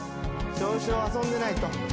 少々遊んでないと。